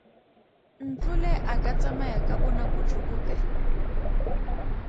Ntlole a ka tsamaya ka bonako jo bokae?